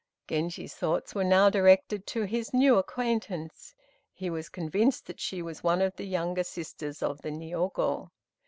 Genji's thoughts were now directed to his new acquaintance. He was convinced that she was one of the younger sisters of the Niogo.